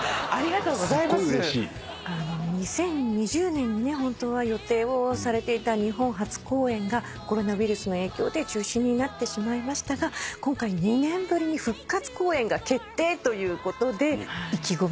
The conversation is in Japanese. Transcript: ２０２０年に本当は予定をされていた日本初公演がコロナウイルスの影響で中止になってしまいましたが今回２年ぶりに復活公演が決定ということで意気込みは？